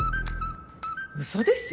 嘘でしょ！？